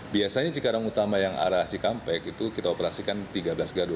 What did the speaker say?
biasanya cikarang utama yang arah cikampek itu kita operasikan tiga belas gardu